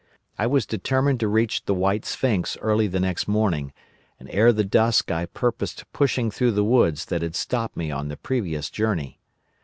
I was determined to reach the White Sphinx early the next morning, and ere the dusk I purposed pushing through the woods that had stopped me on the previous journey.